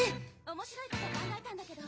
面白いこと考えたんだけど。